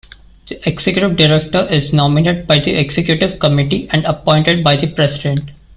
The Executive Director is nominated by the Executive Committee and appointed by the President.